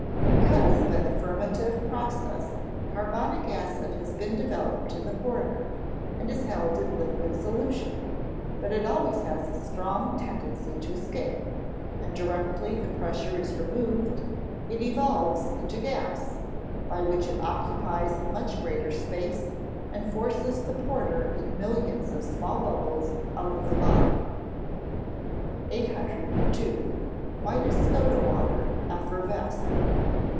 _ Because, by the fermentive process, carbonic acid has been developed in the porter, and is held in liquid solution; but it always has a strong tendency to escape, and directly the pressure is removed, it evolves into gas, by which it occupies much greater space, and forces the porter in millions of small bubbles out of the bottle. 802. _Why does soda water effervesce?